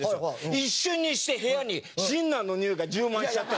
一瞬にして部屋にシンナーのにおいが充満しちゃって。